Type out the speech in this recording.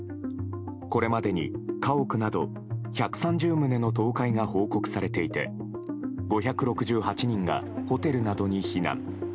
これまでに、家屋など１３０棟の倒壊が報告されていて５６８人がホテルなどに避難。